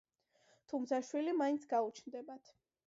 თუმცა შვილი მაინც გაუჩნდებათ.